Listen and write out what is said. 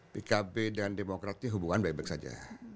pkb dan demokrat ini hubungan baik baik saja